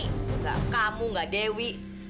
enggak kamu enggak dewi